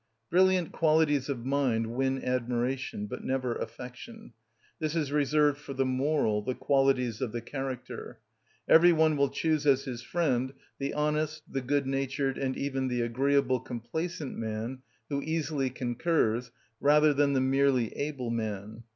Brilliant qualities of mind win admiration, but never affection; this is reserved for the moral, the qualities of the character. Every one will choose as his friend the honest, the good natured, and even the agreeable, complaisant man, who easily concurs, rather than the merely able man.